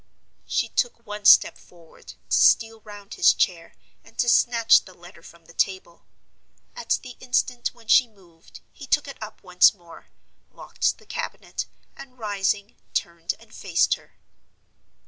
She took one step forward, to steal round his chair and to snatch the letter from the table. At the instant when she moved, he took it up once more, locked the cabinet, and, rising, turned and faced her.